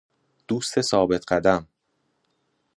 دوست ثابت قدم